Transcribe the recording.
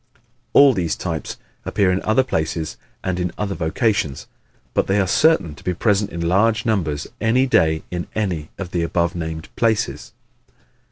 All these types appear in other places and in other vocations, but they are certain to be present in large numbers any day in any of the above named places.